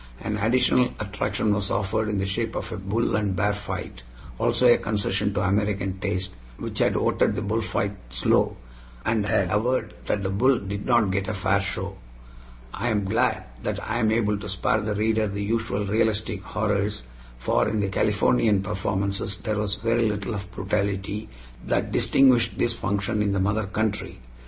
An additional attraction was offered in the shape of a bull and bear fight, also a concession to American taste, which had voted the bullfight "slow," and had averred that the bull "did not get a fair show." I am glad that I am able to spare the reader the usual realistic horrors, for in the Californian performances there was very little of the brutality that distinguished this function in the mother country.